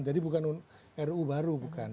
jadi bukan ru baru bukan